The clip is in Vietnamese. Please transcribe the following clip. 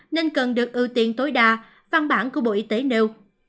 nên cần được ưu tiên tối đa văn bản của bộ y tế nêu